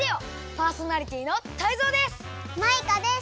パーソナリティーのタイゾウです！